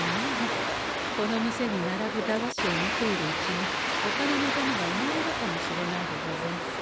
この店に並ぶ駄菓子を見ているうちにほかの望みが生まれるかもしれないでござんす。